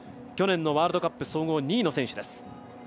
去年のワールドカップ総合２位の選手です。